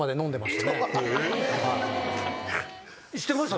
知ってました？